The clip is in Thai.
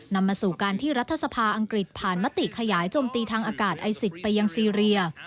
นำมาสู่การที่รัฐสภาอังกฤษผ่านมติขยายโจมตีทางอากาศไอซิสไปยังซีเรีย